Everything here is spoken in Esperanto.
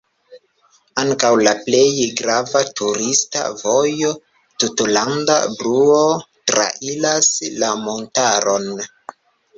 Ankaŭ la plej grava turista vojo „tutlanda bluo” trairas la montaron.